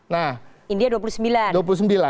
nah india dan rusia rusia dua puluh satu menteri